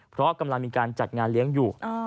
เพราะกำลังมีการจัดงานเลี้ยงอยู่